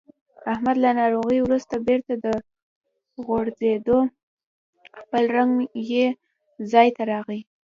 احمد له ناروغۍ ورسته بېرته و غوړېدو. خپل رنګ یې ځای ته راغی.